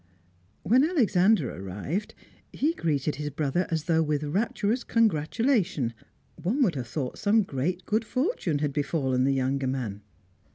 When Alexander arrived, he greeted his brother as though with rapturous congratulation; one would have thought some great good fortune had befallen the younger man.